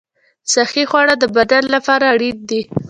صحي خواړه د بدن لپاره اړین دي.